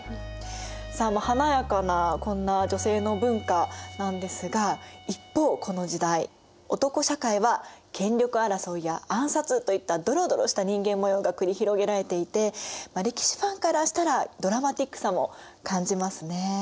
さあ華やかなこんな女性の文化なんですが一方この時代男社会は権力争いや暗殺といったドロドロした人間模様が繰り広げられていて歴史ファンからしたらドラマティックさも感じますね。